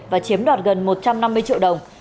và chiếm đoạt gần một trăm năm mươi triệu đồng